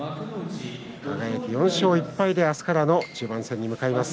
輝、４勝１敗で明日からの中盤戦に向かいます。